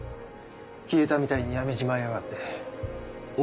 消えたみたいに辞めちまいやがって。